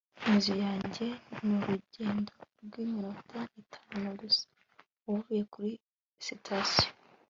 Inzu yanjye ni urugendo rwiminota itanu gusa uvuye kuri sitasiyo